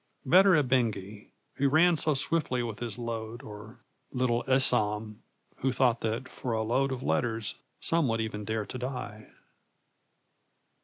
Better Ebengé, who ran so swiftly with his load, or little Esam, who thought that for a load of letters some would even dare to die.